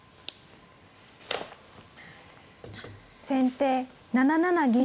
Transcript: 先手７七銀。